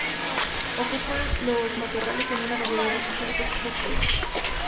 Ocupan los matorrales en una variedad de hábitats boscosos y semi-abiertos.